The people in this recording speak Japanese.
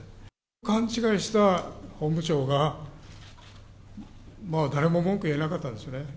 勘違いした本部長が、誰も文句言えなかったんでしょうね。